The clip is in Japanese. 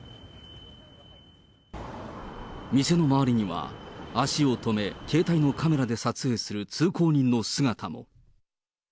店の周りには、足を止め、携帯のカメラで撮影する通行人の姿も。